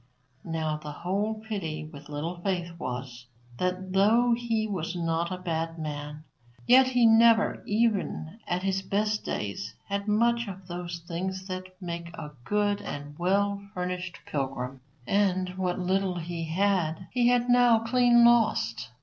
Now, the whole pity with Little Faith was, that though he was not a bad man, yet he never, even at his best days, had much of those things that make a good and well furnished pilgrim; and what little he had he had now clean lost.